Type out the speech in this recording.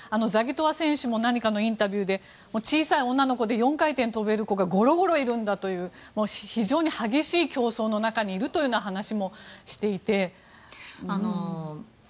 ザギトワ選手も何かのインタビューで小さい女の子で４回転を跳べる子がごろごろいるんだという非常に激しい競争の中にいるというような話もしていて。